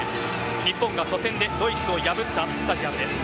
日本が初戦でドイツを破ったスタジアムです。